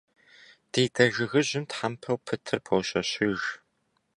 Ди дэ жыгыжьым тхьэмпэу пытыр пощэщыж.